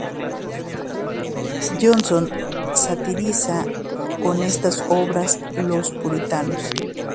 Jonson satiriza con esta obra a los puritanos.